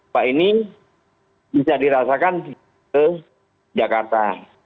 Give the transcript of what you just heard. pak ini bisa dirasakan ke jakarta